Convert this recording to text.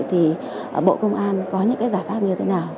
thì bộ công an có những cái giải pháp như thế nào